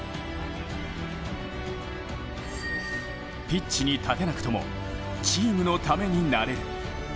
ピッチに立てなくともチームのためになれる。